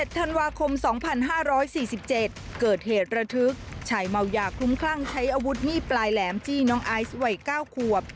ธันวาคม๒๕๔๗เกิดเหตุระทึกชายเมายาคลุ้มคลั่งใช้อาวุธมีดปลายแหลมจี้น้องไอซ์วัย๙ขวบ